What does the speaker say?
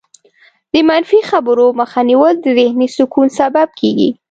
د منفي خبرو مخه نیول د ذهني سکون سبب کېږي.